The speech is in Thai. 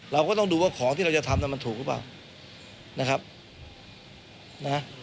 เราก็ต้องดูว่าของที่เราจะทำมันถูกหรือเปล่านะครับนะ